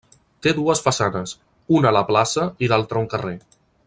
Té dues façanes, una a la plaça i l'altra a un carrer.